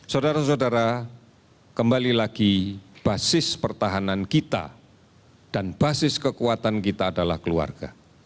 saudara saudara kembali lagi basis pertahanan kita dan basis kekuatan kita adalah keluarga